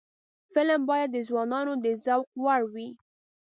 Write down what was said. فلم باید د ځوانانو د ذوق وړ وي